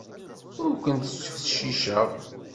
Ur kent-ttfecciceɣ.